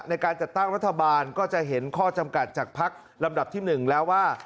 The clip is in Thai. ในการจัดตั้งรัฐบาลก็จะเห็นข้อจำกัดจากพักลำดับที่๑แล้วว่า